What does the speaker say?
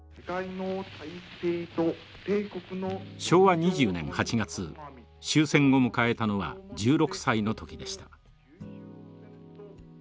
昭和２０年８月終戦を迎えたのは１６歳の時でした。